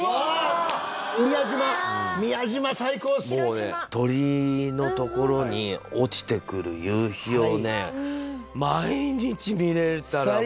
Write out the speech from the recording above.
もうね鳥居のところに落ちてくる夕日をね毎日見れたらもう。